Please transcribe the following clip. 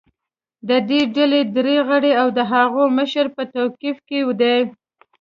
د دې ډلې درې غړي او د هغو مشر په توقیف کې دي